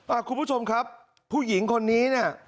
คุณผู้ชมครับผู้หญิงคนนี้เนี่ย